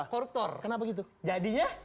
koruptor kenapa gitu jadinya